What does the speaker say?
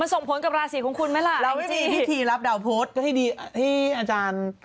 อื้อต้องถามอาจารย์